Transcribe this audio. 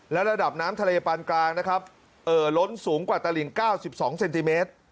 แล้วระดับน้ำทะเลปันกลางล้นสูงกว่าตะหลิง๙๒เซนติเมตร